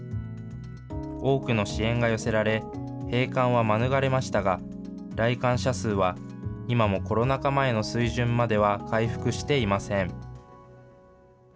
多くの支援が寄せられ、閉館は免れましたが、来館者数は、今もコロナ禍前の水準までは回復していません。